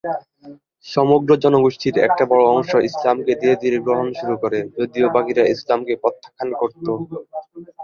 সমগ্র জনগোষ্ঠীর একটা বড়ো অংশ ইসলামকে ধীরে ধীরে গ্রহণ শুরু করে, যদিও বাকিরা ইসলামকে প্রত্যাখ্যান করতো।